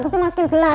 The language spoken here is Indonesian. terus dimasukin gelas